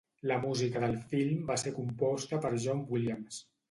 La música del film va ser composta per John Williams.